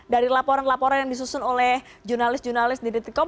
dari laporan laporan yang disusun oleh jurnalis jurnalis di dtkom